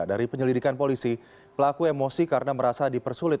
dari penyelidikan polisi pelaku emosi karena merasa dipersulit